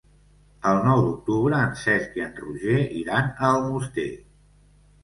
El nou d'octubre en Cesc i en Roger iran a Almoster.